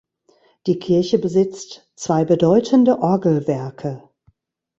Die Kirche besitzt zwei bedeutende Orgelwerke.